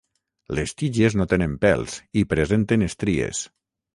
Les tiges no tenen pèls i presenten estries.